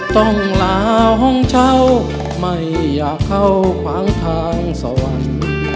ต้องลาห้องเช่าไม่อยากเข้าขวางทางสวรรค์